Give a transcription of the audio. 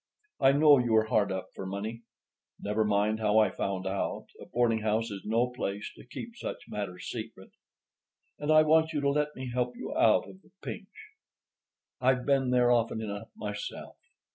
I know you are hard up for money—never mind how I found out, a boarding house is no place to keep such matters secret—and I want you to let me help you out of the pinch. I've been there often enough myself.